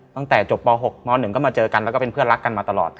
ตั้งแต่จบป๖ม๑ก็มาเจอกันแล้วก็เป็นเพื่อนรักกันมาตลอด